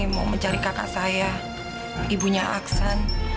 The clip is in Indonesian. mau mencari kakak saya ibunya aksan